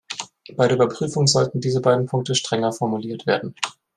Bei der Überprüfung sollten diese beiden Punkte strenger formuliert werden.